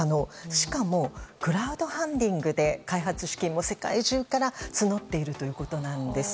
しかもクラウドファンディングで開発資金も世界中から募っているということです。